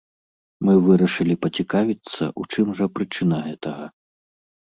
Мы вырашылі пацікавіцца, у чым жа прычына гэтага.